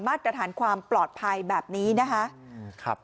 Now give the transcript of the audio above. มาตรฐานความปลอดภัยแบบนี้นะคะ